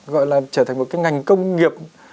gọi là trở thành một cái ngành công nghiệp